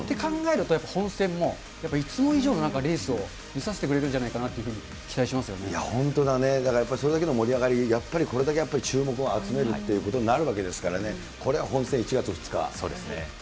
やっぱり本選も、やっぱりいつも以上のなんかレースを見させてくれるんじゃないか本当だね、だからやっぱりそれだけの盛り上がり、やっぱりこれだけ注目を集めるということになるわけですからね、そうですね。